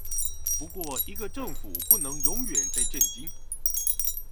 不過一個政府不能永遠在震驚